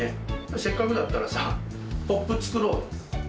せっかくだったらさ、ポップ作ろう。